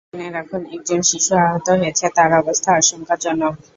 জেনে রাখুন, একজন শিশু আহত হয়েছে, তার অবস্থা আশঙ্কাজনক।